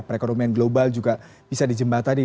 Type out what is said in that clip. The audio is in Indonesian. perekonomian global juga bisa dijembatani